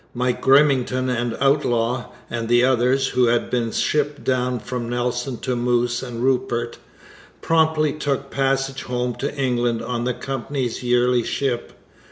Mike Grimmington and Outlaw and the others, who had been shipped down from Nelson to Moose and Rupert, promptly took passage home to England on the Company's yearly ship.